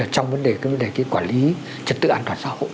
trong vấn đề quản lý trật tự an toàn xã hội